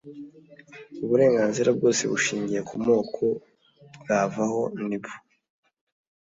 uburenganzira bwose bushingiye ku moko bwavaho ni bo